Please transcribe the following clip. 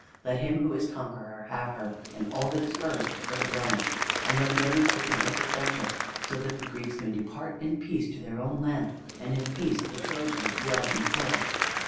Let him who is conqueror have her and all that is hers for his own, and let the others take an oath of friendship so that the Greeks may depart in peace to their own land, and in peace the Trojans dwell in Troy."